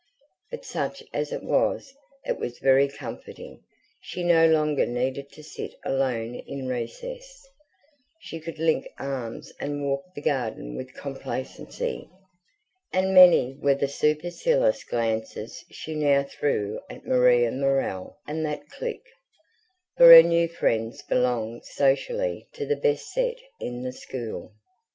But such as it was, it was very comforting; she no longer needed to sit alone in recess; she could link arms and walk the garden with complacency; and many were the supercilious glances she now threw at Maria Morell and that clique; for her new friends belonged socially to the best set in the school.